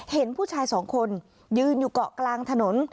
เห็นผู้ชายสองคนยืนอยู่เกาะกลางถนน